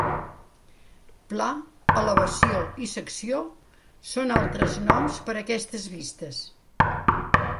"Pla", "elevació" i "secció" són altres noms per a aquestes vistes.